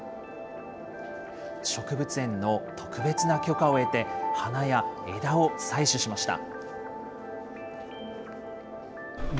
植物園の特別な許可を得て、花や枝を採取しました。